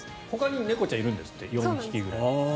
ほかに猫ちゃんいるんですって４匹ぐらい。